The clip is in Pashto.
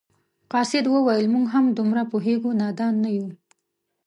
قاصد وویل موږ هم دومره پوهیږو نادان نه یو.